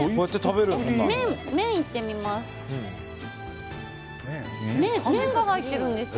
麺いってみます。